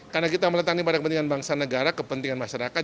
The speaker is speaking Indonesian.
karena kita meletakkan pada kepentingan bangsa negara kepentingan masyarakat